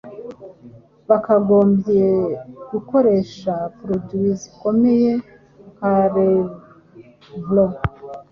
bakagombye gukoresha produit zikomeye nka Revlon,